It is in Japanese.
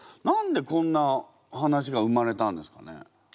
何でこんな話が生まれたんですかね？